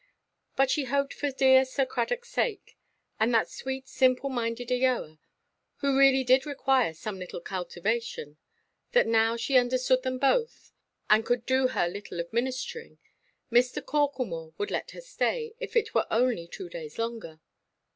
But she hoped for dear Sir Cradockʼs sake, and that sweet simple–minded Eoa—who really did require some little cultivation—that, now she understood them both, and could do her little of ministering, Mr. Corklemore would let her stay, if it were only two days longer.